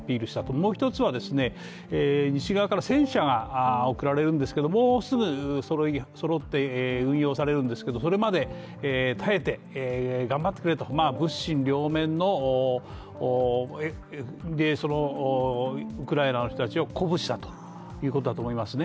もう１つは、西側から戦車が送られるんですけどもうすぐそろって運用されるんですけど、それまで耐えて頑張ってくれとウクライナの人たちを鼓舞したということだと思いますね。